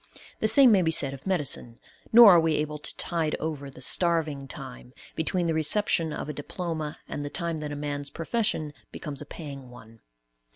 The same may be said of medicine; nor are we able to tide over the "starving time," between the reception of a diploma and the time that a man's profession becomes a paying one.